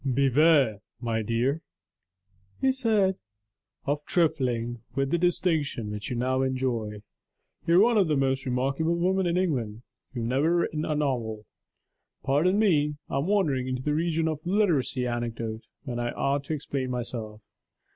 'Beware, my dear,' he said, 'of trifling with the distinction which you now enjoy: you are one of the most remarkable women in England you have never written a novel.' Pardon me; I am wandering into the region of literary anecdote, when I ought to explain myself.